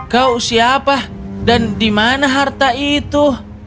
kau siapa dan di mana harta itu